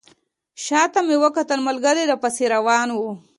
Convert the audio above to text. شاته مې وکتل ملګري راپسې روان وو.